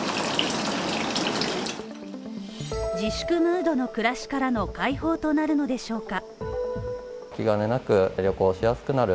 自粛ムードの暮らしからの解放となるのでしょうか。